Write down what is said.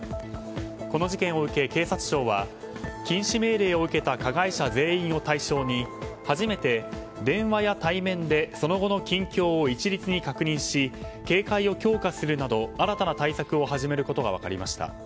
この事件を受け警察庁は禁止命令を受けた加害者全員を対象に初めて、電話や対面でその後の近況を一律に確認し警戒を強化するなど新たな対策を始めることが分かりました。